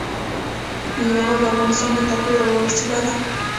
ننګرهار د افغانانو د تفریح یوه وسیله ده.